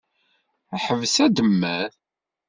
Ḥbes ademmer.